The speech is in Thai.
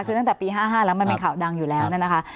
คือตั้งแต่ปี๕๕แล้วมันเป็นข่าวดังอยู่แล้วเนี่ยนะคะ